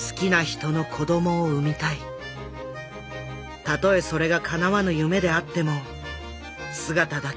たとえそれがかなわぬ夢であっても姿だけは完全な女になりたい。